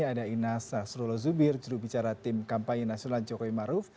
ada inas nasrullah zubir jurubicara tim kampanye nasional jokowi maruf